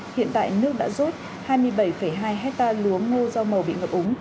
hiện tại nước đã rút hai mươi bảy hai hecta lúa ngô do màu bị ngập úng